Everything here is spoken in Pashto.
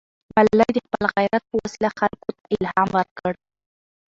ملالۍ د خپل غیرت په وسیله خلکو ته الهام ورکړ.